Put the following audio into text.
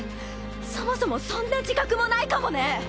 そもそもそんな自覚もないかもね。